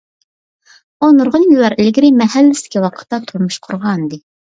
ئۇ نۇرغۇن يىللار ئىلگىرى، مەھەللىسىدىكى ۋاقىتتا تۇرمۇش قۇرغانىدى.